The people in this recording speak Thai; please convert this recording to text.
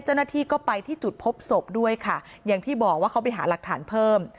เจ้าหน้าที่ก็ไปที่จุดพบศพด้วยค่ะอย่างที่บอกว่าเขาไปหาหลักฐานเพิ่ม